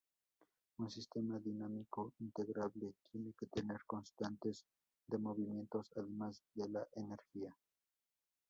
Un sistema dinámico integrable tiene que tener constantes de movimientos además de la energía.